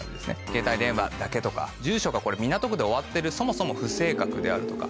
携帯電話だけとか住所がこれ港区で終わってるそもそも不正確であるとか。